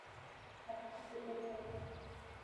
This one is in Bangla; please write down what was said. অথচ দুটোই সত্য।